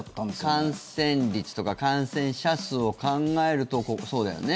感染率とか感染者数を考えると、そうだよね。